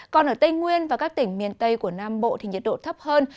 còn ở tây nguyên và các tỉnh miền tây của nam bộ thì nhiệt độ thấp hơn